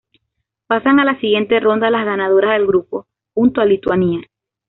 Pasan a la siguiente ronda las ganadoras de grupo, junto a Lituania.